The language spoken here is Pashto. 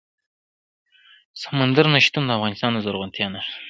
سمندر نه شتون د افغانستان د زرغونتیا نښه ده.